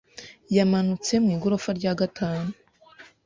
Yamanutse mu igorofa rya gatanu.